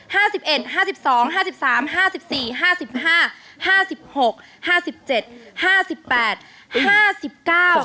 สิบเอ็ดห้าสิบสองห้าสิบสามห้าสิบสี่ห้าสิบห้าห้าสิบหกห้าสิบเจ็ดห้าสิบแปดห้าสิบเก้า